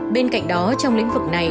bên cạnh đó trong lĩnh vực này